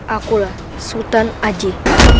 akulah sultan ajih